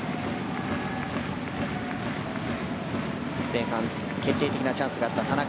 前半、決定的なチャンスがあった田中。